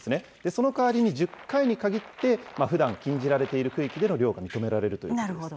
その代わりに１０回に限って、ふだん禁じられている区域での漁が認められるということです。